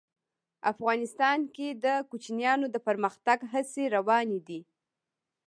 افغانستان کې د کوچیانو د پرمختګ هڅې روانې دي.